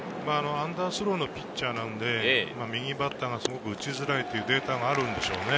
アンダースローのピッチャーなので右バッターがすごく打ちづらいというデータがあるんでしょうね。